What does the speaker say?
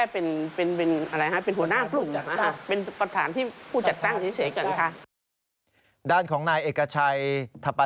หรือว่าคุณยุ้ยจะนั่งหัวหน้าพรรคเองหรือเปล่า